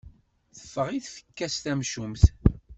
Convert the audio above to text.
Teffeɣ i tfekka-s tamcumt.